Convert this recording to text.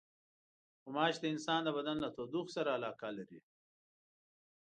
غوماشې د انسان د بدن له تودوخې سره علاقه لري.